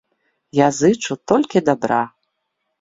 Я зычу толькі дабра.